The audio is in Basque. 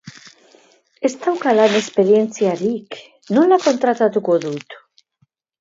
Ez dauka lan esperientziarik!, nola kontratatuko dut?